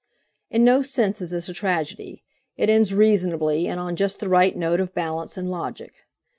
"In no sense is this a tragedy; it ends reasonably and on just the right note of balance and logic.